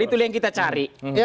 itulah yang kita cari